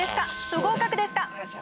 不合格ですか？